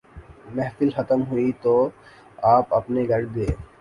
محفل ختم ہوئی تو آپ اپنے گھر گئے۔